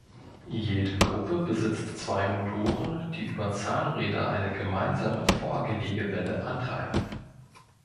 Jede Gruppe besitzt zwei Motoren, die über Zahnräder eine gemeinsame Vorgelegewelle antreiben.